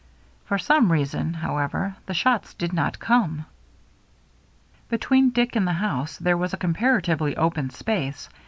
For some reason, however, the shots did not come. Between Dick and the house there was a comparatively open space.